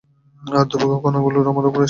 আর দুর্ভাগ্যের কণাগুলো আমার উপরে এসে পড়ল।